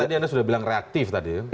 tapi tadi anda sudah bilang reaktif tadi ya